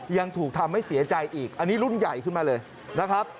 ยังถูกทำให้เสียใจอีกอันนี้รุ่นใหญ่ขึ้นมาเลยนะครับ